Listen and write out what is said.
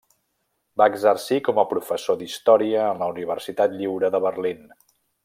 Va exercir com a professor d'història en la Universitat Lliure de Berlín.